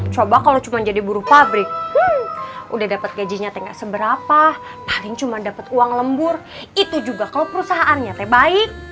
coba kalau cuma jadi buruh pabrik udah dapet gajinya nggak seberapa paling cuma dapet uang lembur itu juga kalau perusahaan nyata baik